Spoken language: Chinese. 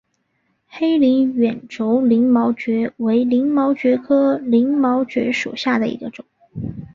黑鳞远轴鳞毛蕨为鳞毛蕨科鳞毛蕨属下的一个种。